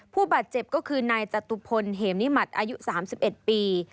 ผู้บาดเจ็บก็คือนายจตุพลเหมนิมัติอายุ๓๑ปี